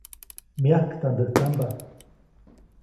Myajktandäjtamba.